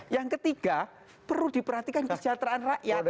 yang ketiga perlu diperhatikan kesejahteraan rakyat